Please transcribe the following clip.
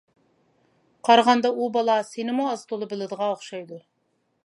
قارىغاندا ئۇ بالا سېنىمۇ ئاز-تولا بىلىدىغان ئوخشايدۇ.